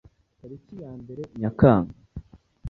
tariki ya mbere Nyakanga,